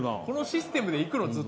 このシステムでいくの？